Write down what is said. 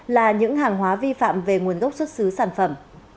là những hàng hóa vi phạm về nguồn gốc xuất xứ sản phẩm